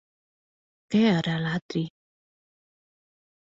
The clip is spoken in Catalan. Què era l'atri?